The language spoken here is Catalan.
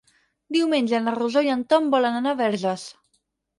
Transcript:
Diumenge na Rosó i en Tom volen anar a Verges.